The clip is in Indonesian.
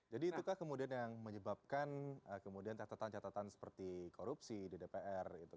jadi itukah kemudian yang menyebabkan kemudian catatan catatan seperti korupsi di dpr gitu